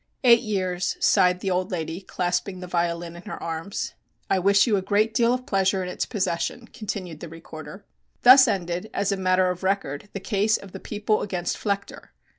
"Eight years," sighed the old lady, clasping the violin in her arms. "I wish you a great deal of pleasure in its possession," continued the Recorder. Thus ended, as a matter of record, the case of The People against Flechter.